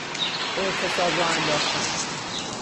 اعتصاب راه انداختن